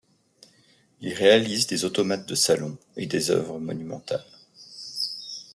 Il réalise des automates de salon et des œuvres monumentales.